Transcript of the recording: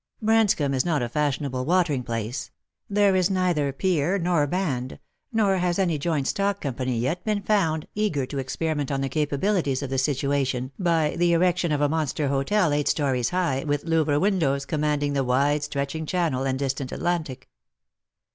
Bhanscomb is not a fashionable watering place ; there is neither pier nor band, nor has any joint stock company yet been found eager to experiment on the capabilities of the situation by the 116 Lost for Love. erection of a monster hotel eight stories high, with Louvre win dows commanding the wide stretching Channel and distant Atlantic.